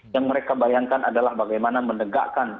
yang mereka bayangkan adalah bagaimana menegakkan